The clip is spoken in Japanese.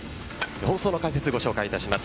放送の解説をご紹介します。